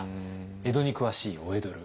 江戸にくわしい「お江戸ル」